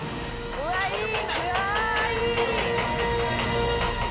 うわいい！